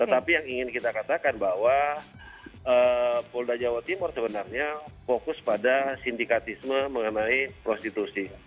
tetapi yang ingin kita katakan bahwa polda jawa timur sebenarnya fokus pada sindikatisme mengenai prostitusi